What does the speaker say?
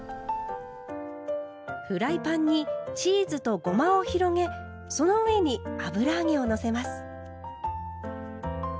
フライパンにチーズとごまを広げその上に油揚げをのせます。